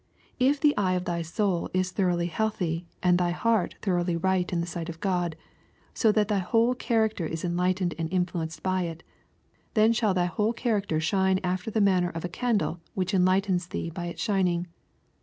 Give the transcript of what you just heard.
" If the eye of thy soul is thoroughly healthy, and thy heart thoroughly right in the sight of God, so that thy whole character is enlight ened and influenced by it, then shall thy whole character shine after the manner of a candle which enlightens thee by its shin ing.